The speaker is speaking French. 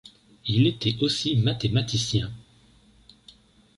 Il était aussi mathématicien.